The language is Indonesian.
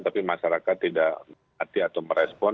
tapi masyarakat tidak hati atau merespon